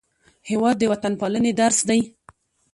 هېواد د وطنپالنې درس دی.